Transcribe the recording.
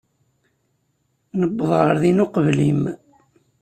Nuweḍ ɣer din uqbel-im.